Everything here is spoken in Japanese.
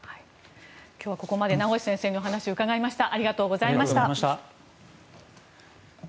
今日はここまで名越先生にお話を伺いました。